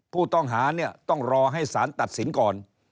ผู้ต้องหาต้องรอให้ศาลตัดสินก่อน